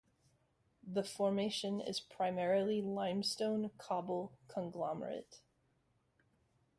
The formation is primarily limestone cobble conglomerate.